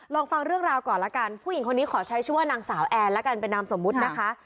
ลองฟังเรื่องราวก่อนละกันผู้หญิงคนนี้ขอใช้ชื่อว่านางสาวแอนแล้วกันเป็นนามสมมุตินะคะ